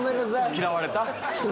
嫌われた！